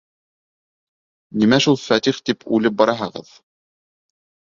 Нимә шул Фәтих тип үлеп бараһығыҙ?